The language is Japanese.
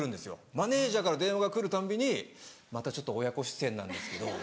マネジャーから電話が来るたんびに「またちょっと親子出演なんですけど」。